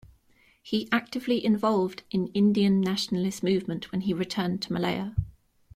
He actively involved in Indian nationalist movement when he returned to Malaya.